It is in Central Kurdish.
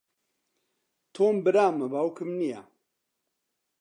تۆم برامە، باوکم نییە.